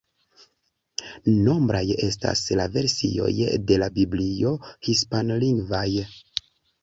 Nombraj estas la versioj de la Biblio hispanlingvaj.